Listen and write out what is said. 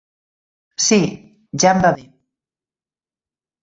Sí, ja em va bé.